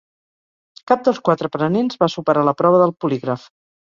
Cap dels quatre aprenents va superar la prova del polígraf.